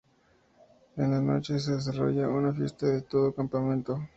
En la noche, se desarrolla una fiesta de todo el campamento.